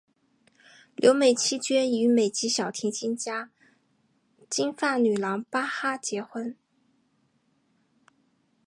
留美期间与美籍小提琴家金发女郎巴哈结婚。